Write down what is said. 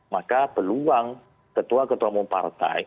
maka peluang ketua ketua umum partai